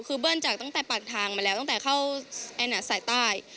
คือเบิ้ลจากตั้งแต่ปากทางมาแล้วตั้งแต่เข้าแอน่าสายใต้